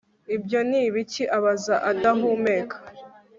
ibyo ni ibiki? abaza adahumeka